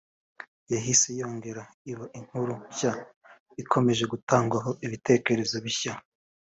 yahise yongera iba inkuru nshya ikomeje gutangwaho ibitekerezo bishya